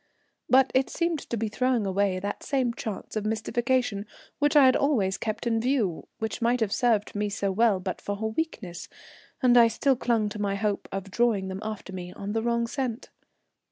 But it seemed to be throwing away that same chance of mystification which I had always kept in view, which might have served me so well but for her weakness, and I still clung to my hope of drawing them after me on the wrong scent.